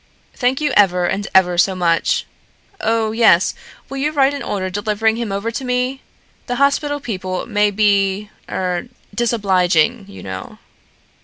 Thank you ever and ever so much. Oh, yes; will you write an order delivering him over to me? The hospital people may be er disobliging, you know."